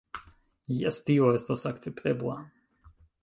- Jes, tio estas akceptebla